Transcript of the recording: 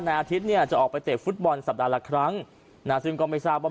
อาทิตย์เนี่ยจะออกไปเตะฟุตบอลสัปดาห์ละครั้งนะซึ่งก็ไม่ทราบว่า